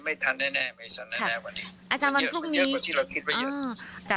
ไม่ทันแน่วันนี้มันเยอะกว่าที่เราคิดไว้เยอะ